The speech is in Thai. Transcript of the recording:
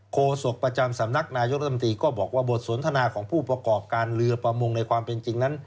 โศกประจำสำนักนายกรัฐมนตรีก็บอกว่าบทสนทนาของผู้ประกอบการเรือประมงในความเป็นจริงนั้น